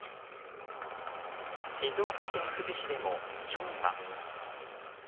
静岡県富士市でも、ひょうが。